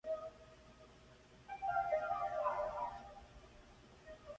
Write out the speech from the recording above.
Su primer esposo fue el empresario Sergio Romo, con el cual tuvo un hijo.